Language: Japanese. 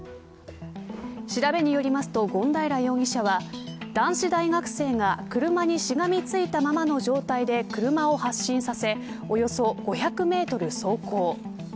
調べによりますと権平容疑者は男子大学生が車にしがみついたままの状態で車を発進させおよそ５００メートル走行。